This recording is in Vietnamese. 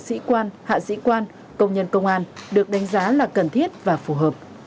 nhiều bác sĩ quan hạn sĩ quan công nhân công an được đánh giá là cần thiết và phù hợp